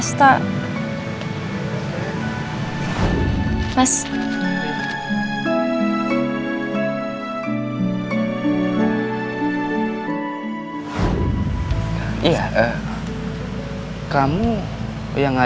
saya duluan ya